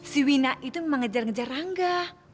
si wina itu memang ngejar ngejar rangga